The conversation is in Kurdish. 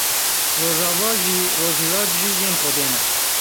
Rojava jî, rojhilat jî yên Xwedê ne.